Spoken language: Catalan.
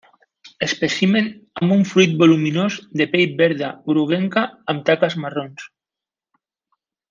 Espècimen amb un fruit voluminós de pell verda groguenca amb taques marrons.